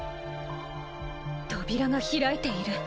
扉が開いている。